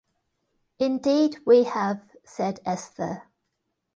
“Indeed we have,” said Esther.